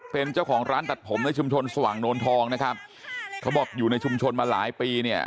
เป็นเจ้าของร้านตัดผมในชุมชนสว่างโนนทองนะครับเขาบอกอยู่ในชุมชนมาหลายปีเนี่ย